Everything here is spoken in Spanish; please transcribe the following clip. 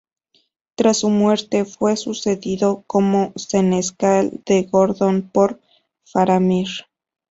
Tras su muerte, fue sucedido como Senescal de Gondor por Faramir.